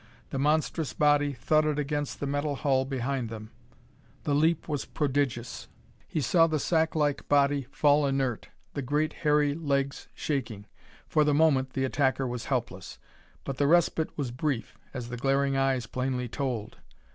The monstrous body thudded against the metal hull behind them. The leap was prodigious. He saw the sack like body fall inert, the great, hairy legs shaking. For the moment, the attacker was helpless: but the respite was brief, as the glaring eyes plainly told.